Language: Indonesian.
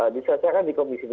misalkan di komisi b